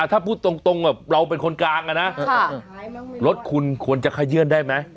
ถ้าพูดตรงเราเป็นคนกลางนะรถคุณควรจะขยื่นได้ไหม